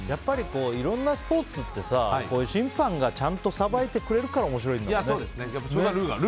いろんなスポーツって審判がちゃんとさばいてくれるから面白いんだもんね。